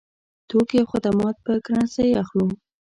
توکي او خدمات په کرنسۍ اخلو.